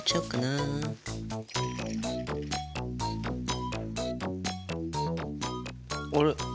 あれ？